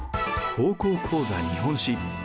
「高校講座日本史」。